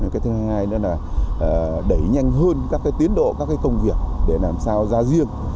cái thứ hai nữa là đẩy nhanh hơn các tiến độ các công việc để làm sao ra riêng